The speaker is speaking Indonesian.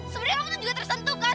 sebenernya kamu tuh juga tersentuh kan